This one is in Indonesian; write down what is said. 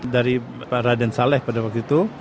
dari raden saleh pada waktu itu